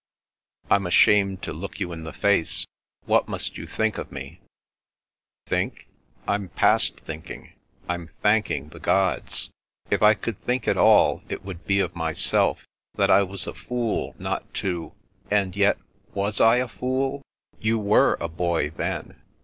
"I'm ashamed to look you in the face. What must you think of me ?" "Think? I'm past thinking. I'm thanking the gods. If I could think at all it would be of myself, that I was a fool not to— and yet, was I a fool? You were a boy then.